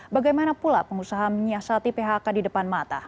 bagaimana pula pengusaha menyiasati phk di depan mata